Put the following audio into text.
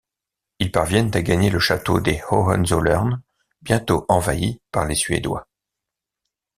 Ils parviennent à gagner le château des Hohenzollern bientôt envahi par les Suédois.